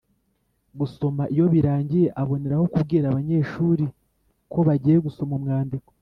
gusoma. Iyo birangiye aboneraho kubwira abanyeshuri ko bagiye gusoma umwandiko,